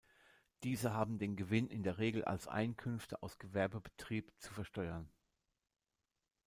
Diese haben den Gewinn in der Regel als Einkünfte aus Gewerbebetrieb zu versteuern.